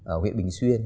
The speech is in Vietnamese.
ở huyện bình xuyên